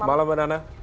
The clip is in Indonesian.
selamat malam mbak nana